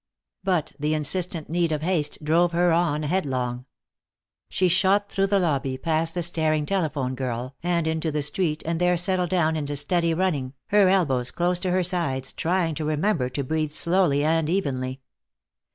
But the insistent need of haste drove her on, headlong. She shot through the lobby, past the staring telephone girl, and into the street, and there settled down into steady running, her elbows close to her sides, trying to remember to breathe slowly and evenly.